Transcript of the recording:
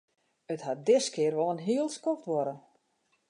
It hat diskear wol in hiel skoft duorre.